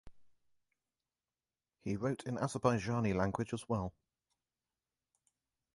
He wrote in Azerbaijani language as well.